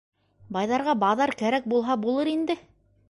— Байҙарға баҙар кәрәк булһа булыр инде.